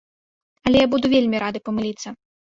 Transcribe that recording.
Але я буду вельмі рады памыліцца.